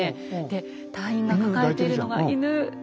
で隊員が抱えてるのが犬です。